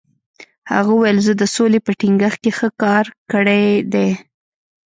هغه وویل، زه د سولې په ټینګښت کې ښه کار کړی دی.